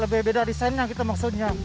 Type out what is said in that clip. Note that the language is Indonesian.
lebih beda desainnya gitu maksudnya